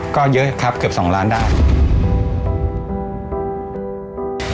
ก็เยอะครับเกือบ๒ล้านได้